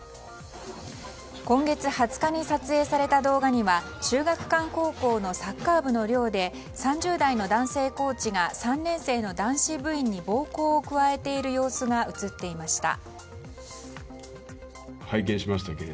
今月２０日に撮影された動画には秀岳館高校のサッカー部の寮で３０代の男性コーチが３年生の男子部員に暴行を加えている様子が映っていました。